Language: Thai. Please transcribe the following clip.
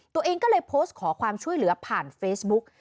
ตัวเองก็เลยโพสต์ขอความช่วยเหลือผ่านเฟซบุ๊ก